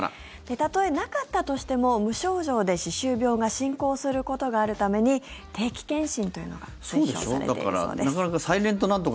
たとえ、なかったとしても無症状で歯周病が進行することがあるために定期検診というのが推奨されているそうです。